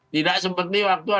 tidak seperti waktu itu